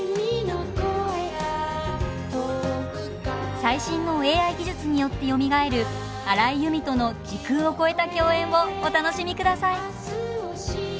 最新のＡＩ技術によってよみがえる荒井由実との時空を超えた共演をお楽しみください。